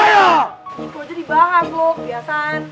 itu jadi bahan loh kebiasaan